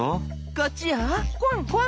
こっちよ。